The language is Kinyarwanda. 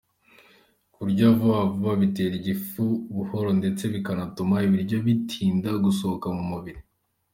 Kurya vuba vuba bitera igifu buhoro ndetse bikanatuma ibiryo bitinda gusohoka mu mubiri.